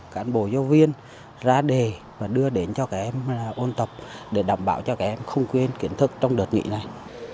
cán bộ giáo viên ra đề và đưa đến cho các em ôn tập để đảm bảo cho các em không quên kiến thức trong đợt nghỉ này